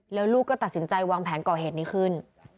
แล้วลูกก็ตัดสินใจวางแผนก่อเหตุนี้ขึ้น